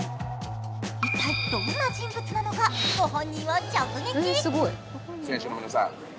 一体どんな人物なのかご本人を直撃。